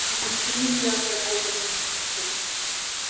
А почему не атакован Пушкин?